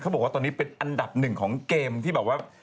บอกว่าตอนนี้เป็นอันดับหนึ่งของเกมที่แบบว่า